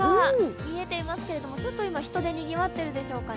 見えていますけれども、ちょっと今、人でにぎわっているでしょうかね。